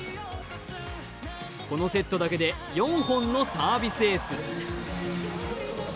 このセットだけで４本のサービスエース。